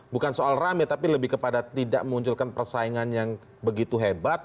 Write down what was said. bukan soal rame tapi lebih kepada tidak memunculkan persaingan yang begitu hebat